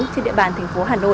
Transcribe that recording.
trên địa bàn thành phố hà nội